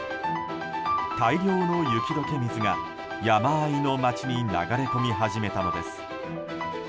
大量の雪解け水が、山あいの町に流れ込み始めたのです。